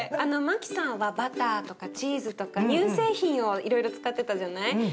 マキさんはバターとかチーズとか乳製品をいろいろ使ってたじゃない？